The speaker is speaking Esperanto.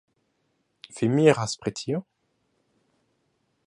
Vi miras pri tio?